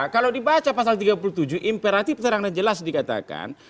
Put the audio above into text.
kalau dibaca pasal tiga puluh tujuh imperatif terang dan jelas dikatakan